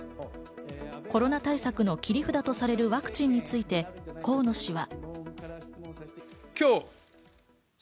コロナ対策の切り札とされるワクチンについて河野氏は。